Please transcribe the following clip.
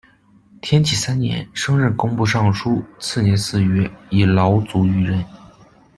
天启三年，升任工部尚书，次年四月，以劳卒于任。